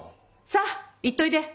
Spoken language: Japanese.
さぁ行っといで！